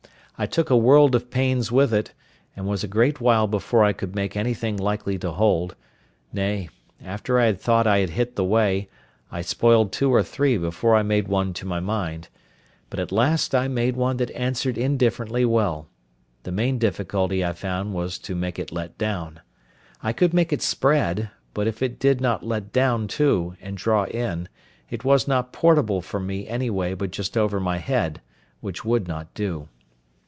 I took a world of pains with it, and was a great while before I could make anything likely to hold: nay, after I had thought I had hit the way, I spoiled two or three before I made one to my mind: but at last I made one that answered indifferently well: the main difficulty I found was to make it let down. I could make it spread, but if it did not let down too, and draw in, it was not portable for me any way but just over my head, which would not do.